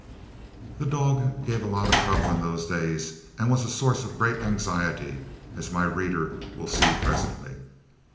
That dog gave a lot of trouble in those days and was a source of great anxiety, as my reader will see presently.